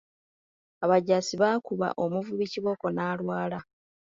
Abajaasi baakuba omuvubi kibooko n’alwala.